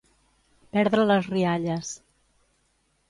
Perdre les rialles.